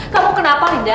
kamu kenapa linda